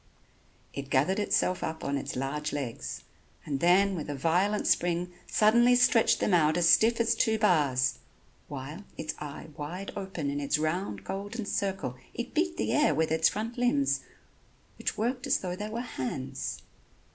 It gathered itself up on its large legs and then with a violent spring suddenly stretched them out as stiff as two bars; while, its eye wide open in its round, golden circle, it beat the air with its front limbs which worked as though they were hands.